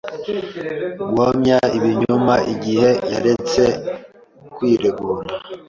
guhamya ibinyoma igihe yaretse kwiregura